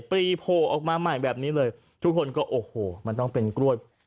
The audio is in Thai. ปรีโผล่ออกมาใหม่แบบนี้เลยทุกคนก็โอ้โหมันต้องเป็นกล้วย